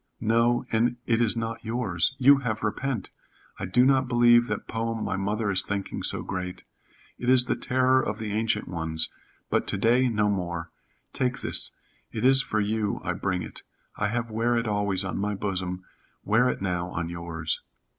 "No, and it is not yours. You have repent. I do not believe that poem my mother is thinking so great. It is the terror of the ancient ones, but to day, no more. Take this. It is for you I bring it. I have wear it always on my bosom, wear it now on yours."